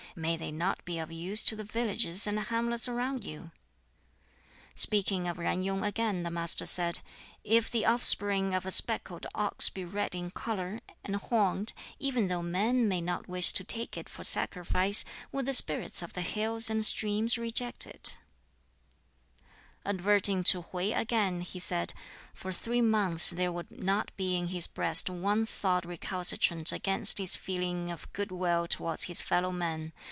"May they not be of use to the villages and hamlets around you?" Speaking of Yen Yung again, the Master said, "If the offspring of a speckled ox be red in color, and horned, even though men may not wish to take it for sacrifice, would the spirits of the hills and streams reject it?" Adverting to Hwķi again, he said, "For three months there would not be in his breast one thought recalcitrant against his feeling of good will towards his fellow men.